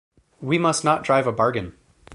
We must not drive a bargain.